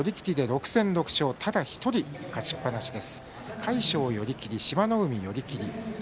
朝乃山６戦６勝ただ１人、勝ちっぱなしです。